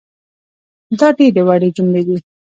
دا ډېرې وړې جملې دي